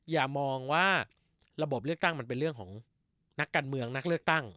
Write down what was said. อย่ามองว่าระบบเลือกตั้งมันเป็นเรื่องของนักการเมืองนักเลือกตั้ง